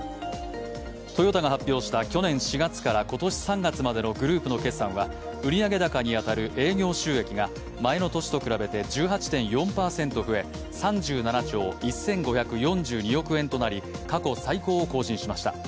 トヨタが発表した去年４月から３月までのグループの決算は、売上高に当たる営業収益が前の年と比べて１８．４％増え、３７兆１５４２億円となり過去最高を更新しました。